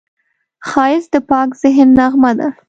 ښایست د پاک ذهن نغمه ده